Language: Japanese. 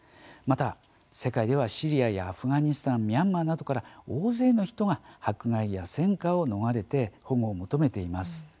また、世界ではシリアやアフガニスタンミャンマーなどから大勢の人が迫害や戦禍を逃れて保護を求めています。